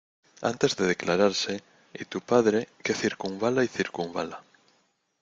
antes de declararse, y tu padre , que circunvala y circunvala